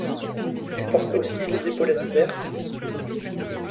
Ils portent aussi les épaulettes vertes.